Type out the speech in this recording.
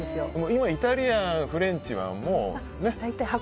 今イタリアン、フレンチはもうね。